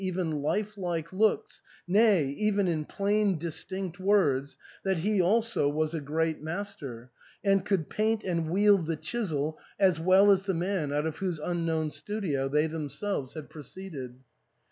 331 even lifelike looks, nay, even in plain distinct words, that he also was a great master, and could paint and wield the chisel as well as the man out of whose un known studio they themselves had proceeded.